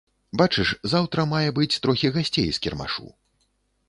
Бачыш, заўтра мае быць трохі гасцей з кірмашу.